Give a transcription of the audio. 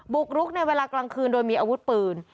กรุกในเวลากลางคืนโดยมีอาวุธปืน